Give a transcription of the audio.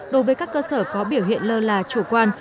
đối với các cơ sở có biểu hiện lơ là chủ quan